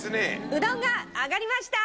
うどんが上がりました！